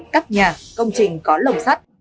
bốn các nhà công trình có lồng sắt